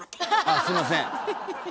あすいません。